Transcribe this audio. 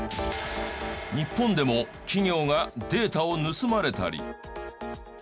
日本でも企業がデータを盗まれたり。